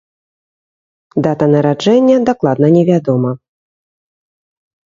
Дата нараджэння дакладна не вядома.